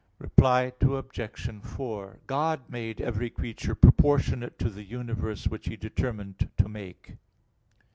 Reply Obj. 4: God made every creature proportionate to the universe which He determined to make.